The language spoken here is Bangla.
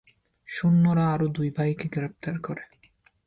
সৈন্যরা আরও দুই ভাইকে গ্রেপ্তার করে।